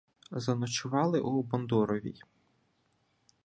Заночували у Бондуровій.